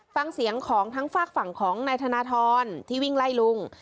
ฟังเสียงของทั้งฝากฝั่งของนายธนทรที่วิ่งไล่ลุง